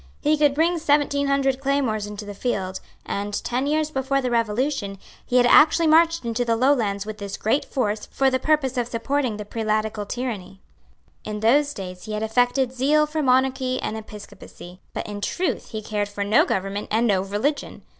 He could bring seventeen hundred claymores into the field; and, ten years before the Revolution, he had actually marched into the Lowlands with this great force for the purpose of supporting the prelatical tyranny. In those days he had affected zeal for monarchy and episcopacy; but in truth he cared for no government and no religion.